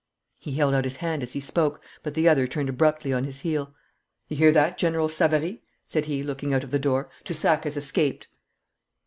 He held out his hand as he spoke, but the other turned abruptly on his heel. 'You hear that, General Savary?' said he, looking out of the door. 'Toussac has escaped.'